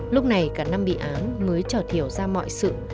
lúc này cả năm bị án mới cho thiểu ra mọi sự